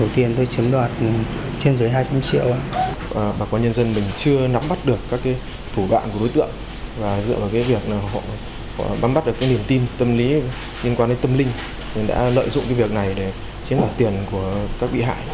tùng đã bắt được niềm tin tâm lý liên quan đến tâm linh mình đã lợi dụng việc này để chiếm đoạt tiền của các bị hại